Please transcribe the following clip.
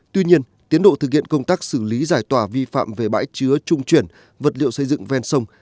tuy nhiên tiến độ thực hiện công tác xử lý giải tỏa vi phạm về bãi chứa trung chuyển vật liệu xây dựng ven sông